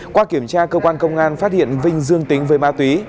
qua kiểm tra cơ quan công an phát hiện vinh dương tính với ma túy